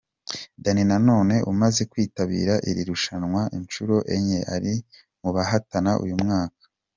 Danny Nanone umaze kwitabira iri rushanwa inshuro enye ari mu bahatana uyu mwaka.